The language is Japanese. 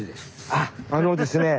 あっあのですね